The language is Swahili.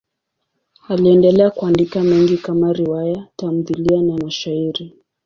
Aliendelea kuandika mengi kama riwaya, tamthiliya na mashairi.